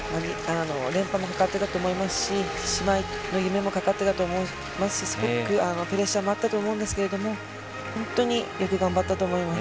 連覇もかかってたと思いますし、姉妹の夢もかかってたと思いますし、すごくプレッシャーもあったと思うんですけれども、本当によく頑張ったと思います。